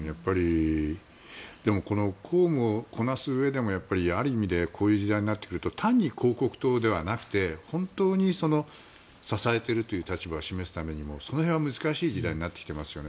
でも公務をこなすうえでもある意味でこういう時代になってくると単に広告塔ではなくて本当に支えているという立場を示すというのはその辺は難しい時代になってきていますよね。